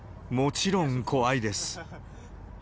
もちろん怖いです。